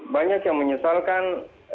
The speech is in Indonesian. banyak yang menyesalkan